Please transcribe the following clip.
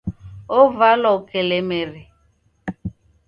Ovalwa ukelemere.